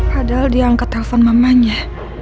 padahal dia angkat telepon mamanya